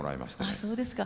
ああそうですか。